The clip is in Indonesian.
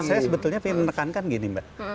saya sebetulnya ingin menekankan gini mbak